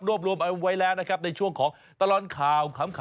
รวมเอาไว้แล้วนะครับในช่วงของตลอดข่าวขำ